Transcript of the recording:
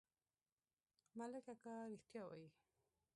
ملک اکا رښتيا وايي.